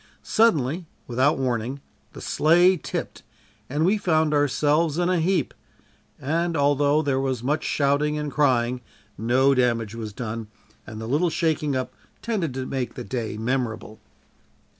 Suddenly, without warning, the sleigh tipped and we found ourselves in a heap, and although there was much shouting and crying, no damage was done, and the little shaking up tended to make the day memorable.